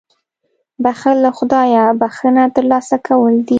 • بښل له خدایه بښنه ترلاسه کول دي.